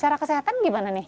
secara kesehatan gimana nih